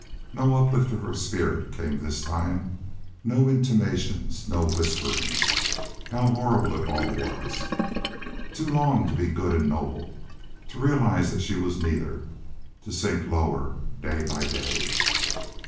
No uplift of her spirit came this time no intimations no whisperings. How horrible it all was! To long to be good and noble to realize that she was neither to sink lower day by day!